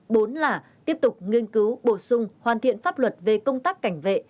bốn là tiếp tục nghiên cứu bổ sung hoàn thiện pháp luật về công tác cảnh vệ